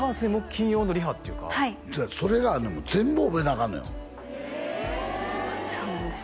金曜のリハっていうかそれが全部覚えなアカンのよそうなんです